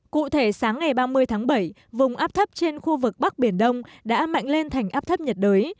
cụ thể sáng ngày ba mươi tháng bảy vùng áp thấp trên khu vực bắc biển đông đã mạnh lên thành áp thấp nhiệt đới